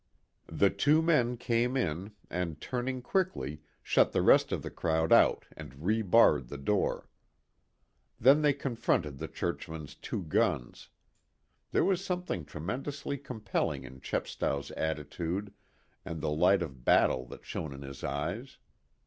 The two men came in and, turning quickly, shut the rest of the crowd out and rebarred the door. Then they confronted the churchman's two guns. There was something tremendously compelling in Chepstow's attitude and the light of battle that shone in his eyes.